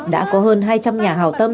đã có hơn hai trăm linh nhà hào tâm